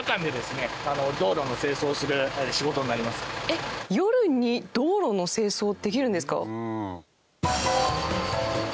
えっ夜に道路の清掃できるんですか？